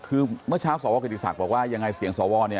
คือเมื่อเช้าศวกิติศักดิ์เมื่อเช้าบอกว่ายังไงเสียงศว